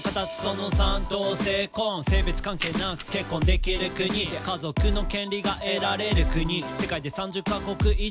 「性別関係なく結婚できる国」「家族の権利が得られる国」「世界で３０カ国以上」